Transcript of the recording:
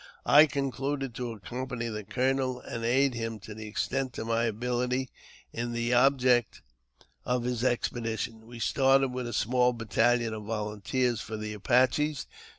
I concluded to accompany the colonel, and aid him to the extent of my ability in the object of his expedition. We started with a small battalion of volunteers for the Apaches.